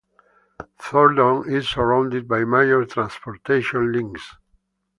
Thorndon is surrounded by major transportation links.